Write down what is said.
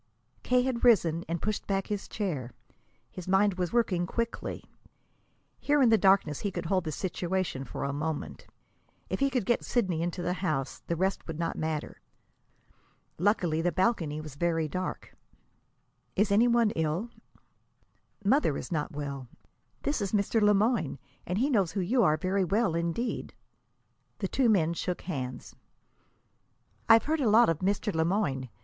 K. had risen and pushed back his chair. His mind was working quickly. Here in the darkness he could hold the situation for a moment. If he could get Sidney into the house, the rest would not matter. Luckily, the balcony was very dark. "Is any one ill?" "Mother is not well. This is Mr. Le Moyne, and he knows who you are very well, indeed." The two men shook hands. "I've heard a lot of Mr. Le Moyne.